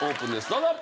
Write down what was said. どうぞ。